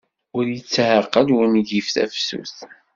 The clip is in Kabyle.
Ur ittaɛqal ungif tafsut.